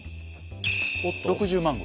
６０万石。